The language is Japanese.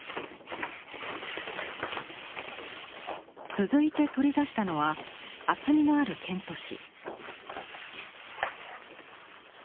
続いて取り出したのは厚みのあるケント紙。